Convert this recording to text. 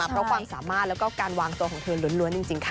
เพราะความสามารถแล้วก็การวางตัวของเธอล้วนจริงค่ะ